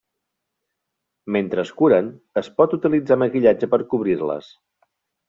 Mentre es curen, es pot utilitzar maquillatge per cobrir-les.